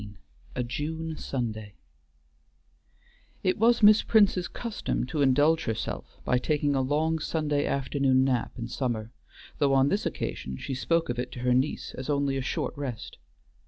XVI A JUNE SUNDAY It was Miss Prince's custom to indulge herself by taking a long Sunday afternoon nap in summer, though on this occasion she spoke of it to her niece as only a short rest.